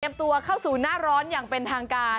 ตัวเข้าสู่หน้าร้อนอย่างเป็นทางการ